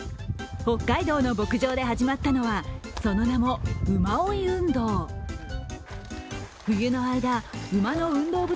北海道の牧場で始まったのは、その名も馬追い運動。